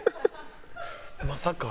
まさか。